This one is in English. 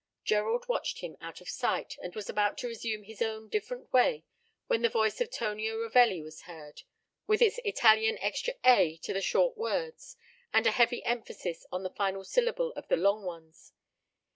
Gerald watched him out of sight, and was about to resume his own different way when the voice of Tonio Ravelli was heard, with its Italian extra a to the short words and a heavy emphasis on the final syllable of the long ones.